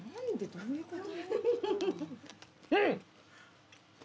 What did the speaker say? どういうこと？